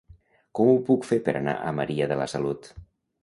Com ho puc fer per anar a Maria de la Salut?